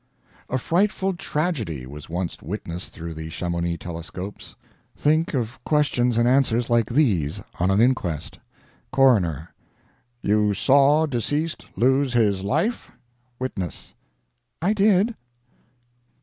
A frightful tragedy was once witnessed through the Chamonix telescopes. Think of questions and answers like these, on an inquest: CORONER. You saw deceased lose his life? WITNESS. I did.